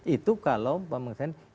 itu kalau pak menteri